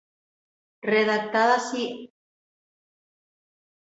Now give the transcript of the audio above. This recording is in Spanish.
Redactadas hábilmente en tono moderado, fueron rápidamente aceptadas por la Convención Nacional.